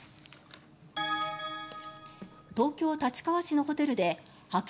東京・立川市のホテルで派遣